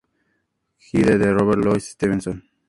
Hyde, de Robert Louis Stevenson.